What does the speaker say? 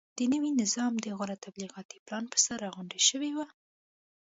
د نوي نظام د غوره تبلیغاتي پلان پرسر راغونډ شوي وو.